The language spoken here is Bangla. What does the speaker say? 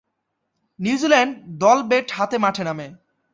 নিউজিল্যান্ড দল ব্যাট হাতে মাঠে নামে।